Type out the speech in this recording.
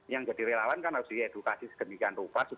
yang jadi relawan harus diedukasi segedikan rupa